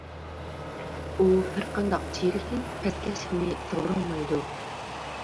ئۇ ھەر قانداق چىرىكلىك، پەسكەشلىكنى سىغدۇرالمايدۇ.